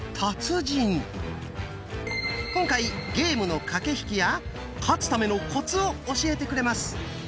今回ゲームの駆け引きや勝つためのコツを教えてくれます。